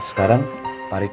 jangan men patient